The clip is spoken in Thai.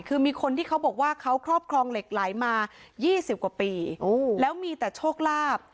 คือมีคนที่เขาบอกว่าเขาครอบครองเหล็กไหลมา๒๐กว่าปีแล้วมีแต่โชคลาภ